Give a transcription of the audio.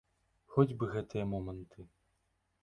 Хоць бы гэтыя моманты.